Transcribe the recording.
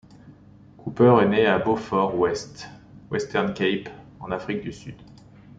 Cooper est né à Beaufort West, Western Cape, en Afrique du Sud.